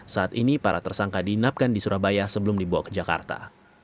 saat ini para tersangka diinapkan di surabaya sebelum dibawa ke jakarta